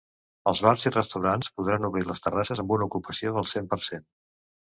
Els bars i restaurants podran obrir les terrasses amb una ocupació del cent per cent.